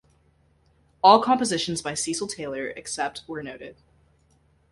All compositions by Cecil Taylor except where noted.